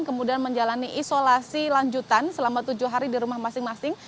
kemudian menjalani isolasi lanjutan selama tujuh hari di rumah masing masing